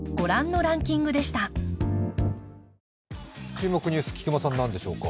注目ニュース、菊間さんなんでしょうか。